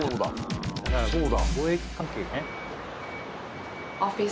そうだ。